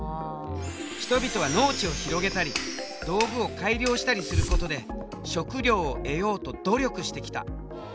人々は農地を広げたり道具を改良したりすることで食料を得ようと努力してきた。